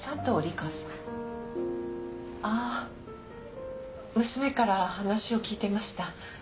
あぁ娘から話を聞いてました。